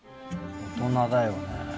大人だよね。